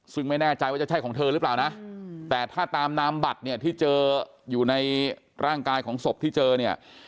ซึ่งไม่แน่ใจว่าจะใช่ของเธอหรือเปล่านะแต่ถ้าตามนามบัตรเนี่ยที่เจออยู่ในร่างกายของศพที่เจอเนี่ย